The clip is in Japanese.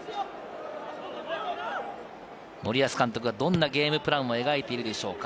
森保監督がどんなゲームプランを描いているでしょうか。